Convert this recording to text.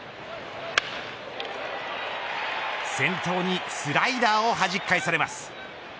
先頭にスライダーをはじき返されます。